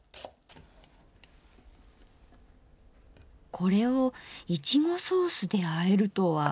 これをいちごソースであえるとは。